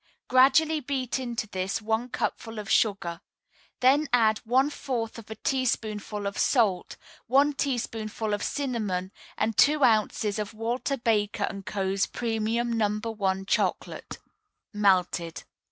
Gradually beat into this one cupful of sugar; then add one fourth of a teaspoonful of salt, one teaspoonful of cinnamon, and two ounces of Walter Baker & Co.'s Premium No. 1 Chocolate, melted.